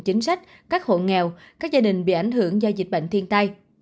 chính sách các hộ nghèo các gia đình bị ảnh hưởng do dịch bệnh thiên tai